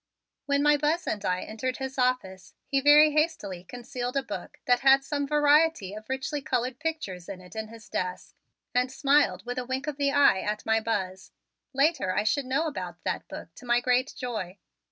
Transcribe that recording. When my Buzz and I entered his office he very hastily concealed a book that had some variety of richly colored pictures in it in his desk and smiled with a wink of the eye at my Buzz. Later I should know about that book to my great joy.